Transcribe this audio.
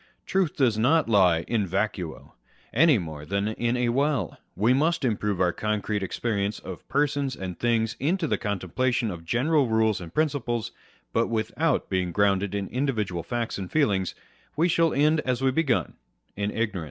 Truth does not lie in vacuo, any more than in a well. We must improve our concrete experience of persons and things into the contemplation of general rules and principles ; but without being grounded in individual facts and feelings, we shall end as we began, in ignorance.